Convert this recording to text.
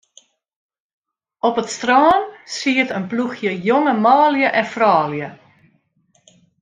Op it strân siet in ploechje jonge manlju en froulju.